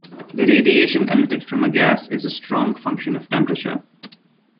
The radiation emitted from a gas is a strong function of temperature.